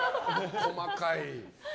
細かい。